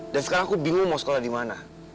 dan sekarang aku bingung mau sekolah dimana